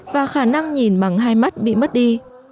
và khả năng nhìn bằng hai mắt bị mất đi